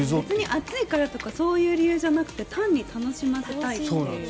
暑いからとかそういう理由じゃなくて単に楽しませたいという。